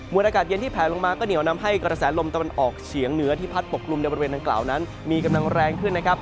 อากาศเย็นที่แผลลงมาก็เหนียวนำให้กระแสลมตะวันออกเฉียงเหนือที่พัดปกลุ่มในบริเวณดังกล่าวนั้นมีกำลังแรงขึ้นนะครับ